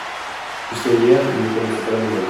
Jusqu'à hier ils ne connaissaient pas la nouvelle.